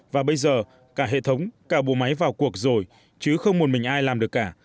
và bây giờ cả hệ thống cả bộ máy vào cuộc rồi chứ không một mình ai làm được cả